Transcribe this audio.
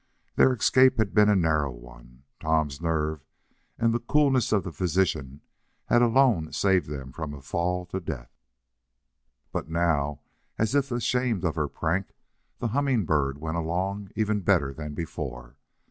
Their escape had been a narrow one. Tom's nerve, and the coolness of the physician, had alone saved them from a fall to death. But now, as if ashamed of her prank, the Humming Bird went along even better than before.